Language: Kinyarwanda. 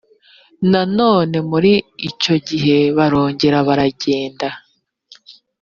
nanone muri icyo gihe barongera baragenda